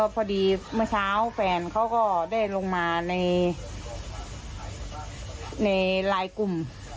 พอดีเมื่อเช้าแฟนเขาก็ได้ลงมาในไลน์กลุ่ม